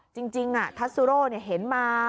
จริงทัสซูโร่เห็นมา